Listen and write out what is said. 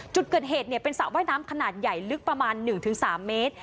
จุดเกิดเหตุเป็นสระว่ายน้ำขนาดใหญ่ลึกประมาณ๑๓เมตร